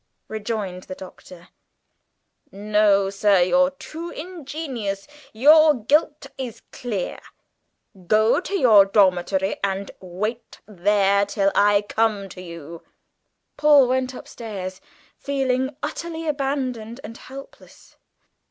rejoined the Doctor. "No, sir, you're too ingenious; your guilt is clear. Go to your dormitory, and wait there till I come to you!" Paul went upstairs, feeling utterly abandoned and helpless.